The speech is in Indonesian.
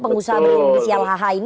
pengusaha berimunisial hh ini